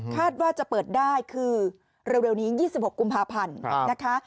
คาดว่าจะเปิดได้คือเร็วนี้๒๖กุมภาพันธ์นะคะ